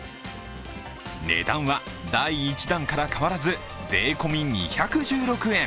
値段は第１弾から変わらず税込み２１６円。